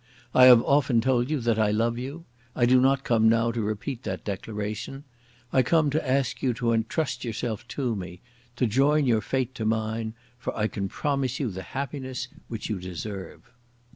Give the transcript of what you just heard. I have often told you that I love you. I do not come now to repeat that declaration. I come to ask you to entrust yourself to me, to join your fate to mine, for I can promise you the happiness which you deserve."